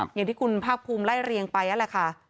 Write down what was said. อย่างที่คุณภาคภูมิไล่เรียงไปนั่นแหละค่ะ